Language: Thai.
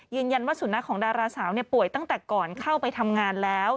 ยืนยันว่าสุนัขของดาราสาวป่วยตั้งแต่ก่อนเข้าไปทำงานแล้ว